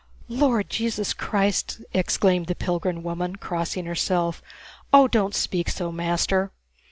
"Lord Jesus Christ!" exclaimed the pilgrim woman, crossing herself. "Oh, don't speak so, master!